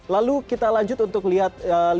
lalu kita lanjut untuk melihat